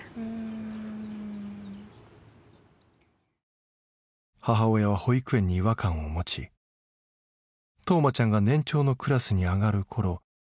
一応母親は保育園に違和感を持ち冬生ちゃんが年長のクラスに上がるころ